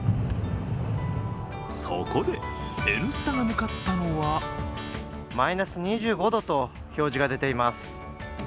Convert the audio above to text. そこで、「Ｎスタ」が向かったのはマイナス２５度と、表示が出ています。